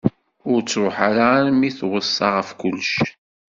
Ur truḥ ara armi i t-tweṣṣa ɣef kullec.